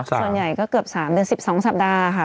ส่วนใหญ่ก็เกือบ๓เดือน๑๒สัปดาห์ค่ะ